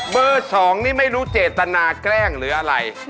๒นี่ไม่รู้เจตนาแกล้งหรืออะไร